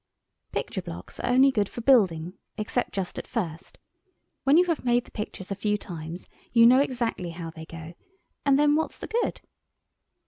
Picture blocks are only good for building, except just at first. When you have made the pictures a few times you know exactly how they go, and then what's the good?